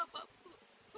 nggak apa apa bu